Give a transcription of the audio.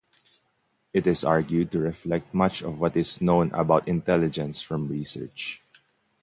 It is argued to reflect much of what is known about intelligence from research.